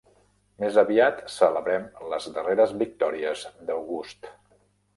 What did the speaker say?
Més aviat celebrem les darreres victòries d'August.